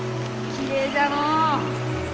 きれいじゃのう！